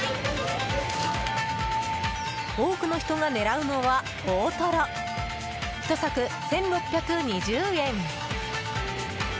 多くの人が狙うのは大トロ１柵１６２０円。